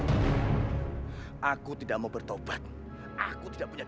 tentara penyelamnya hazar serta juga pemadeknya